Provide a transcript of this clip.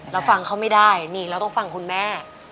เราฟังเขาไม่ได้นี่เราต้องฟังคุณแม่